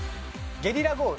ゲリラ豪雨。